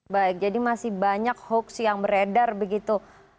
baik jadi masih banyak hoax yang beredar begitu